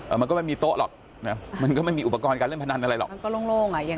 อ่ามันก็ไม่มีโต๊ะหรอกมันก็ไม่มีอุปกรณ์การเล่นพนันอะไรหรอก